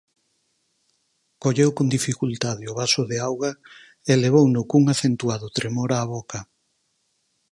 Colleu con dificultade o vaso de auga e levouno cun acentuado tremor á boca.